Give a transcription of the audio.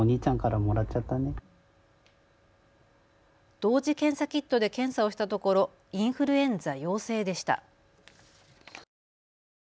同時検査キットで検査をしたところインフルエンザ陽性でした。